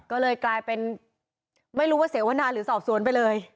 ก็เลยกลายเป็นไม่รู้ว่าเสนนานระหว่างจะหาแล้วไปเลย